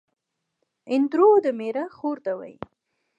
اندرور دمېړه خور ته وايي